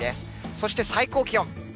そして最高気温。